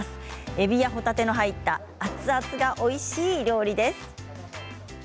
えびやほたての入った熱々がおいしい料理です。